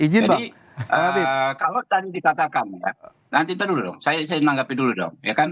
jadi kalau tadi dikatakan nanti saya menganggap dulu dong